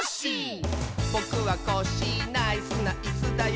「ぼくはコッシーナイスなイスだよ」